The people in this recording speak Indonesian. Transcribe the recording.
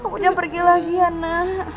aku jangan pergi lagi ya nanda